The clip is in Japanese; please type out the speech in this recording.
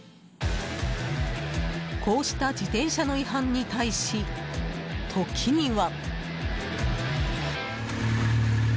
こうした自転車の違反に対し時には。